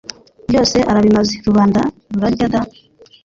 Byose arabimaze Rubanda rurarya da!